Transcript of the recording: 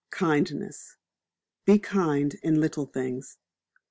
Kindness. Be Kind in Little Things.